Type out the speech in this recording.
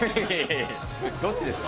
どっちですか？